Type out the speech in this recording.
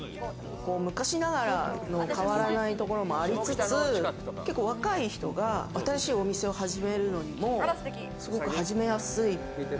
昔ながらの変わらないところもありつつ、結構若い人が新しいお店を始めるのにもすごく始めやすい。